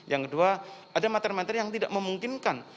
yang kedua ada materi materi yang tidak memungkinkan